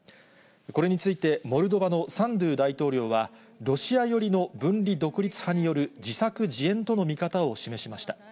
これについて、モルドバのサンドゥ大統領は、ロシア寄りの分離独立派による自作自演との見方を示しました。